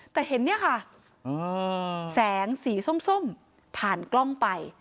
แต่เห็นเนี่ยค่ะแสงสีส้มผ่านกล้องไป